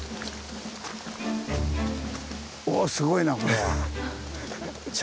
おすごいなこれは。